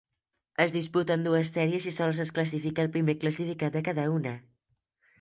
Es disputen dues sèries i sols es classifica el primer classificat de cada una.